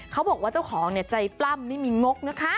เขาบอกว่าเจ้าของใจปล้ำไม่มีงกนะคะ